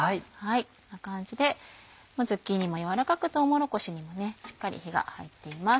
こんな感じでズッキーニも軟らかくとうもろこしにもしっかり火が入っています。